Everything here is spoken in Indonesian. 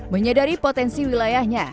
menyedari potensi wilayahnya